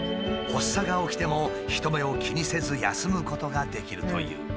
発作が起きても人目を気にせず休むことができるという。